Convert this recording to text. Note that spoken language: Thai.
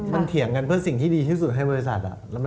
มันเถียงกันเพื่อสิ่งที่ดีที่สุดให้บริษัท